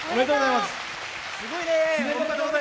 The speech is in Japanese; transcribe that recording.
すごいね！